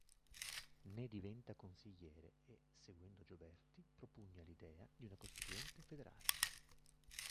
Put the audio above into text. Ne diventa consigliere e, seguendo Gioberti, propugna l'idea di una costituente federale.